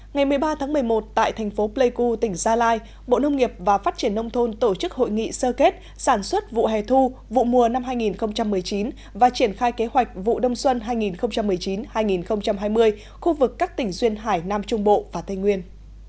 ngày một mươi ba tháng một mươi một tại thành phố pleiku tỉnh gia lai bộ nông nghiệp và phát triển nông thôn tổ chức hội nghị sơ kết sản xuất vụ hè thu vụ mùa năm hai nghìn một mươi chín và triển khai kế hoạch vụ đông xuân hai nghìn một mươi chín hai nghìn hai mươi khu vực các tỉnh duyên hải nam trung bộ và tây nguyên